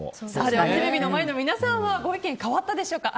では、テレビの前の皆さんはご意見変わったでしょうか。